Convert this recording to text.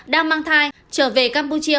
đang mang thai trở về campuchia